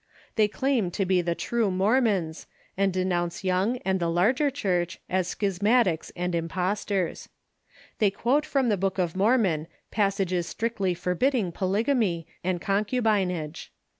They claim to be the true Mormons, and denounce Young and the larger Church as schismatics and impostors. They quote from the "Book of 588 THE CHURCH IN THE UNITED STATES Mormon" passages strictly forbidding polygamy and concu binage.